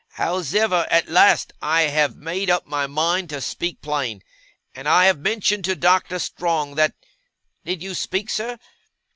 Hows'ever, at last I have made up my mind to speak plain; and I have mentioned to Doctor Strong that did you speak, sir?